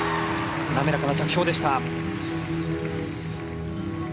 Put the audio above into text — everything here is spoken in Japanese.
滑らかな着氷でした。